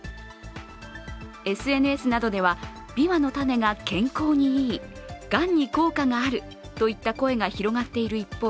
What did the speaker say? ＳＮＳなどでは、びわの種が健康にいいがんに効果があるといった声が広がっている一方